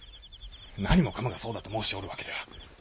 何もかもがそうだと申しておるわけでは。